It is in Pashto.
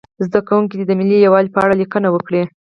زده کوونکي دې د ملي یووالي په اړه لیکنه وکړي.